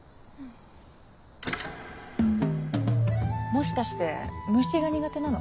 もしかして虫が苦手なの？